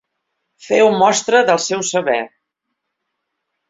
Feu mostra del seu saber.